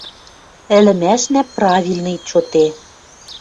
Ӹлӹмӓшнӓ правильный чоте.